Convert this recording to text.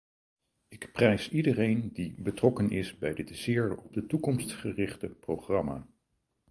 Ik prijs iedereen die betrokken is bij dit zeer op de toekomst gerichte programma.